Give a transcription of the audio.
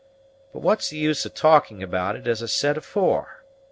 But what's the use in talking of it, as I said afore?